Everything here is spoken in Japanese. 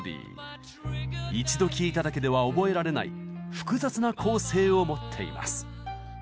一度聴いただけでは覚えられない複雑な構成を持っています。